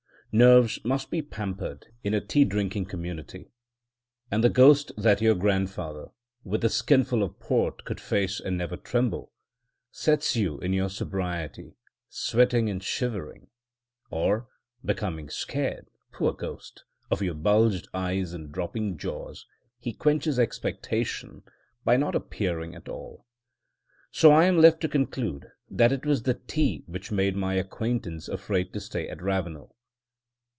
Nerves must be pampered in a tea drinking community; and the ghost that your grandfather, with a skinful of port, could face and never tremble, sets you, in your sobriety, sweating and shivering; or, becoming scared (poor ghost!) of your bulged eyes and dropping jaw, he quenches expectation by not appearing at all. So I am left to conclude that it was tea which made my acquaintance afraid to stay at Ravenel.